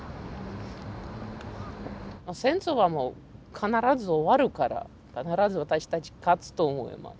戦争はもう必ず終わるから必ず私たち勝つと思います。